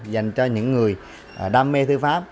dành cho những người đam mê thư pháp